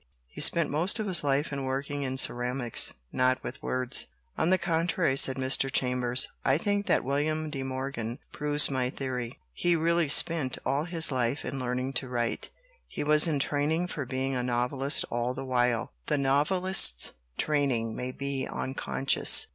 He spent most of his life in work ing in ceramics, not with words." 77 LITERATURE IN THE MAKING "On the contrary," said Mr. Chambers, "I think that William de Morgan proves my theory. He really spent all his life in learning to write he was in training for being a novelist all the while. The novelist's training may be unconscious.